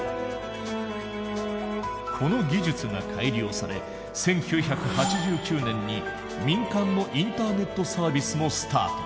この技術が改良され１９８９年に民間のインターネットサービスもスタート。